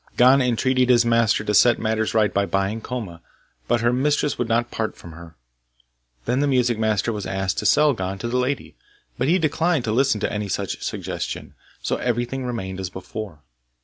Gon entreated his master to set matters right by buying Koma, but her mistress would not part from her. Then the music master was asked to sell Gon to the lady, but he declined to listen to any such suggestion, so everything remained as before.